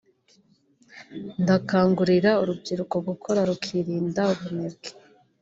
ndakangurira urubyuruko gukora rukirinda ubunebwe